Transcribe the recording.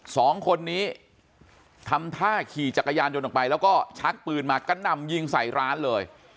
สองคนนี้ทำท่าขี่จักรยานยนต์ออกไปแล้วก็ชักปืนมากระหน่ำยิงใส่ร้านเลย